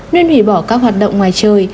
nên hủy bỏ các hoạt động ngoài trời